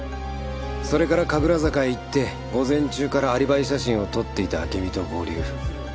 それから神楽坂へ行って午前中からアリバイ写真を撮っていた暁美と合流。